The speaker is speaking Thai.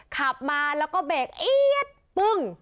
ขับมาแล้วก็เบรกเอี๊ยดปึ้ง